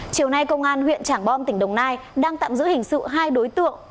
chiều nay công an huyện trảng bom tỉnh đồng nai đang tạm giữ hình sự hai đối tượng